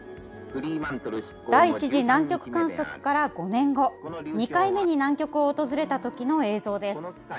第１次南極観測から５年後２回目に南極を訪れたときの映像です。